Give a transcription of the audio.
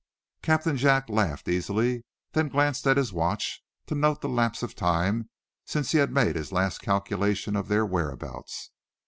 Captain Jack laughed easily, then glanced at his watch to note the lapse of time since he had made his last calculation of their whereabouts.